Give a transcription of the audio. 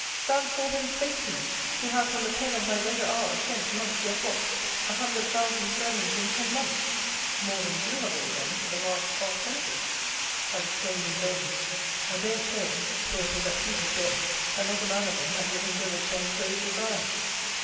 Stand forth and face me, who have, from the pen of my leisure hours, sent, amongst your flocks, a hundred thousand sermons in ten months! More than you have all done for the last half century!" I exclaimed in vain. I dare say (for it was at peep of day) that not a man of them had yet endeavoured to unclose his eyes.